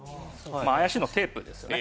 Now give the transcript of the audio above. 怪しいのはテープですよね。